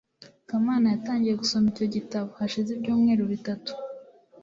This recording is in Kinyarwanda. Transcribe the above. kamana yatangiye gusoma icyo gitabo hashize ibyumweru bitatu